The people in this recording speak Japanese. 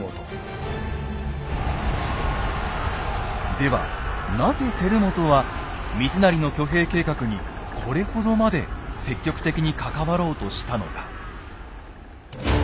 ではなぜ輝元は三成の挙兵計画にこれほどまで積極的に関わろうとしたのか。